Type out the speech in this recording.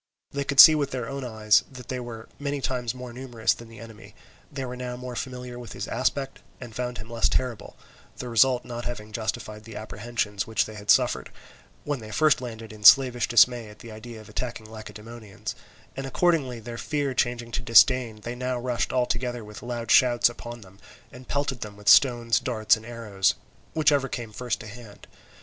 They could see with their own eyes that they were many times more numerous than the enemy; they were now more familiar with his aspect and found him less terrible, the result not having justified the apprehensions which they had suffered, when they first landed in slavish dismay at the idea of attacking Lacedaemonians; and accordingly their fear changing to disdain, they now rushed all together with loud shouts upon them, and pelted them with stones, darts, and arrows, whichever came first to hand.